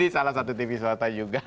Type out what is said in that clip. di salah satu tv suwata juga